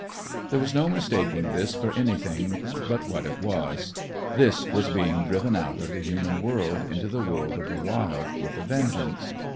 There was no mistaking this for anything but what it was. This was being driven out of the human world into the world of the wild with a vengeance.